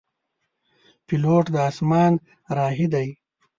پیلوټ د اسمان راهی دی.